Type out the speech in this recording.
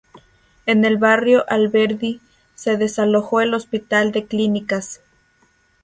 En el Barrio Alberdi se desalojó el Hospital de Clínicas.